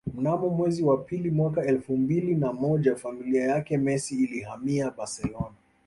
Mnamo mwezi wa pili mwaka elfu mbili na moja familia yake Messi ilihamia Barcelona